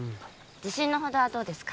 自信のほどはどうですか？